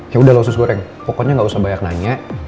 yaudah lah sus goreng pokoknya gak usah banyak nanya